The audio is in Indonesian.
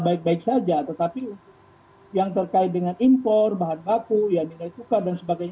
baik baik saja tetapi yang terkait dengan impor bahan baku ya nilai tukar dan sebagainya